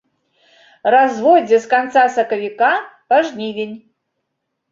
Разводдзе з канца сакавіка па жнівень.